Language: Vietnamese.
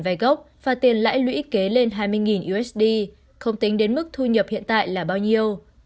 vay gốc và tiền lãi lũy kế lên hai mươi usd không tính đến mức thu nhập hiện tại là bao nhiêu